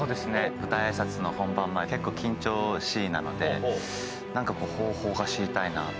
舞台あいさつの本番前、結構緊張しいなので、なんか方法が知りたいなと。